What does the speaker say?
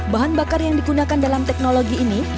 bahan bakar yang digunakan dalam teknologi ini